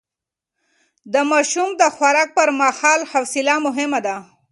د ماشوم د خوراک پر مهال حوصله مهمه ده.